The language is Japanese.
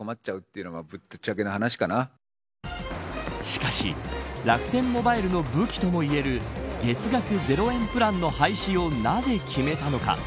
しかし楽天モバイルの武器ともいえる月額０円プランの廃止をなぜ決めたのか。